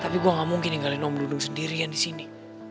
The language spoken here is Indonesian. tapi gue gak mungkin ninggalin om dudung sendirian disini